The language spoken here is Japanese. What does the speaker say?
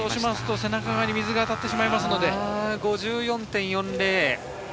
背中側に水が当たってしまいますので。